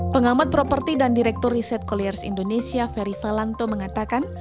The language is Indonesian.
pengamat properti dan direktur riset koliers indonesia ferry salanto mengatakan